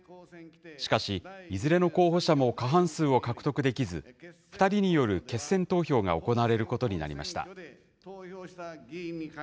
しかし、いずれの候補者も過半数を獲得できず、２人による決選投票が行われることになりました。